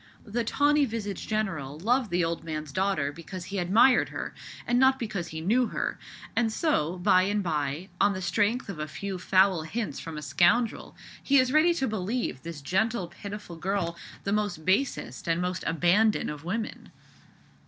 The tawny visaged general loved the old man's daughter because he admired her, and not because he knew her; and so, by and bye, on the strength of a few foul hints from a scoundrel, he is ready to believe this gentle, pitiful girl the basest and most abandoned of women.